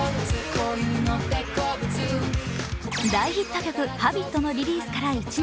大ヒット曲「Ｈａｂｉｔ」のリリースから１年。